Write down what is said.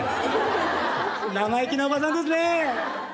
生意気なおばさんですね！